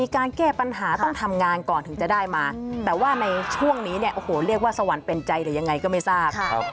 ครัวพอเรียกว่าสวรรค์เป็นใจหรือยังไงก็ไม่ทราบ